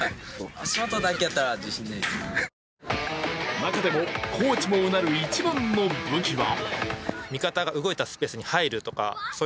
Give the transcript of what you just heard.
中でもコーチもうなる一番の武器は？